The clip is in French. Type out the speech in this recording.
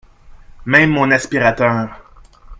Même mon aspirateur